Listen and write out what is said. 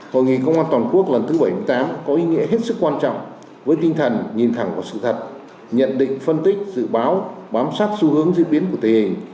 hội nghị công an toàn quốc lần thứ bảy mươi tám có ý nghĩa hết sức quan trọng với tinh thần nhìn thẳng vào sự thật nhận định phân tích dự báo bám sát xu hướng diễn biến của tình hình